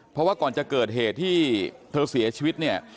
เพราะว่าก่อนจะเกิดเหตุที่เธอเสียชีวิตเนี่ย